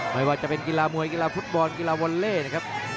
ไม่ว่าจะเป็นกีฬามวยกีฬาฟุตบอลกีฬาวอลเล่นะครับ